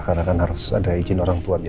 karena kan harus ada izin orang tuanya